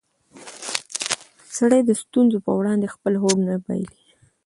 سړی د ستونزو په وړاندې خپل هوډ نه بایلي